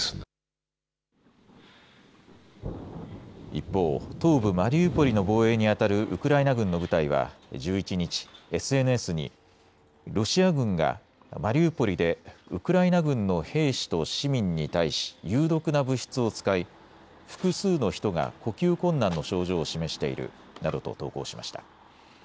一方、東部マリウポリの防衛にあたるウクライナ軍の部隊は１１日、ＳＮＳにロシア軍がマリウポリでウクライナ軍の兵士と市民に対し有毒な物質を使い複数の人が呼吸困難の症状を示しているなどと投稿しました。